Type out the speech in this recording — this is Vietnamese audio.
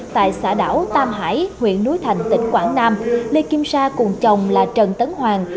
tại xã đảo tam hải huyện núi thành tỉnh quảng nam lê kim sa cùng chồng là trần tấn hoàng